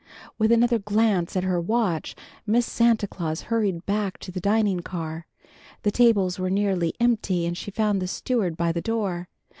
With another glance at her watch Miss Santa Claus hurried back to the dining car. The tables were nearly empty, and she found the steward by the door.